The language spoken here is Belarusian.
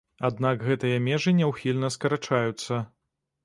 Аднак гэтыя межы няўхільна скарачаюцца.